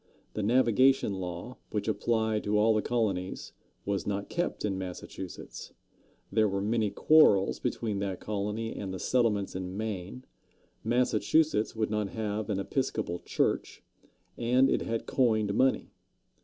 The Navigation Law, which applied to all the colonies, was not kept in Massachusetts; there were many quarrels between that colony and the settlements in Maine; Massachusetts would not have an Episcopal church; and it had coined money.